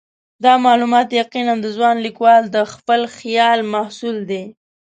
دا معلومات یقیناً د ځوان لیکوال د خپل خیال محصول دي.